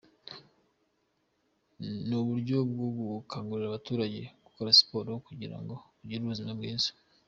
Ni uburyo bwo gukangurira abaturage gukora siporo kugira ngo bagire ubuzima bwiza.